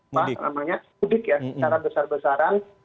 mudik secara besar besaran